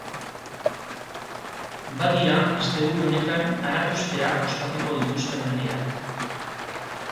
Badira asteburu honetan aratusteak ospatuko dituzten herriak.